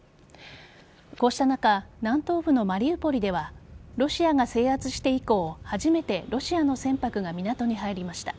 こうした中南東部のマリウポリではロシアが制圧して以降初めてロシアの船舶が港に入りました。